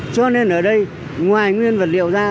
cho nên ở đây ngoài nguyên vật liệu ra